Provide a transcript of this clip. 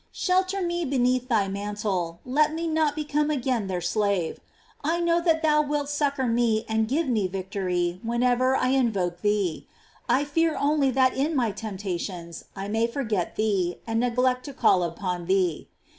Shelter me beneath thy mantle, let me not become again their slave. I know that thou wilt succor me and give me victory whenever I invoke thee. I fear only that in my temptations I may forget thee, and neglect to call upon thee.